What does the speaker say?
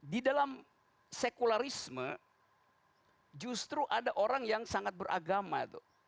di dalam sekularisme justru ada orang yang sangat beragama